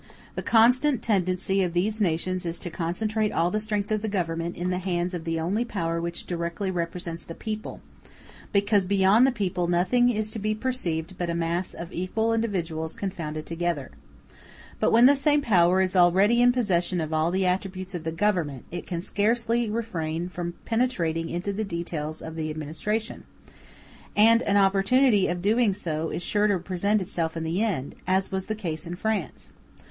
The constant tendency of these nations is to concentrate all the strength of the Government in the hands of the only power which directly represents the people, because beyond the people nothing is to be perceived but a mass of equal individuals confounded together. But when the same power is already in possession of all the attributes of the Government, it can scarcely refrain from penetrating into the details of the administration, and an opportunity of doing so is sure to present itself in the end, as was the case in France.